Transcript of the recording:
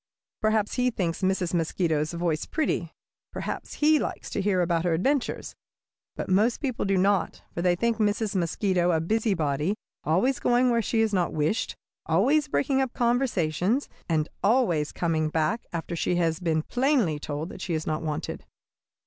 Perhaps he thinks Mrs. Mosquito's voice pretty. Perhaps he likes to hear about her adventures. But most people do not, for they think Mrs. Mosquito a busybody, always going where she is not wished, always breaking up conversations, and always coming back after she has been plainly told that she is not wanted.